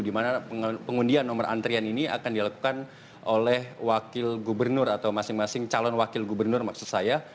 di mana pengundian nomor antrian ini akan dilakukan oleh wakil gubernur atau masing masing calon wakil gubernur maksud saya